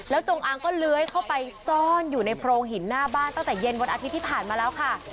จงอางก็เลื้อยเข้าไปซ่อนอยู่ในโพรงหินหน้าบ้านตั้งแต่เย็นวันอาทิตย์ที่ผ่านมาแล้วค่ะ